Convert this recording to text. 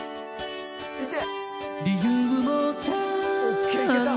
いけ！